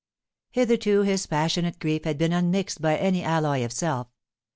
Hitherto his passionate grief had been unmixed by any alloy of self.